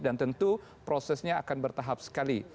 dan tentu prosesnya akan bertahap sekali